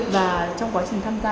và trong quá trình tham gia